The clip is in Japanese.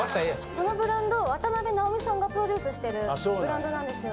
このブランド渡辺直美さんがプロデュースしてるブランドなんですよ。